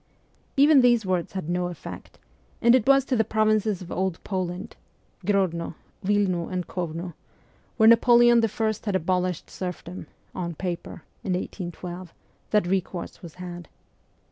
Even these words had no effect, and it was to the provinces of Old Poland Grodno, Wilno, and K6vno where Napoleon I. had abolished serfdom (on paper) in 1812, that recourse was had.